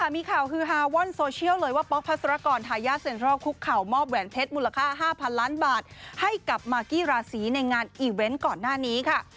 มูลค่า๕พันล้านบาทให้กับมากิราศีในงานอีเว้นต์ก่อนหน้านี้ค่ะ